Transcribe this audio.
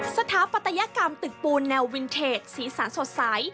สถาปัตยกรรมตึกปูนแนววินเทจสีสันสดใส